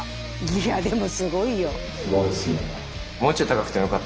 いやでもすごいよ。